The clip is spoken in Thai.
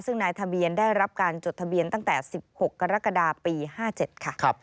ซึ่งนายทะเบียนได้รับการจดทะเบียนตั้งแต่๑๖กรกฎาปี๕๗ค่ะ